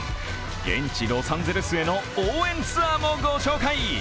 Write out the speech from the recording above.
現地ロサンゼルスへの応援ツアーもご紹介。